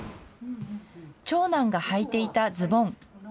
長男がはいていたズボン。